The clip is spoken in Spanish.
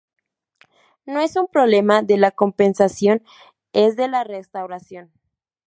No es un problema de la compensación, es de la restauración.